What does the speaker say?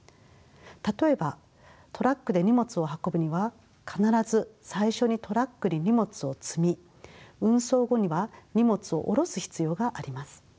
例えばトラックで荷物を運ぶには必ず最初にトラックに荷物を積み運送後には荷物を降ろす必要があります。